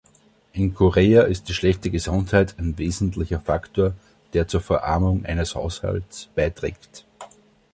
In Korea ist die schlechte Gesundheit ein wesentlicher Faktor, der zur Verarmung eines Haushalts beiträgt.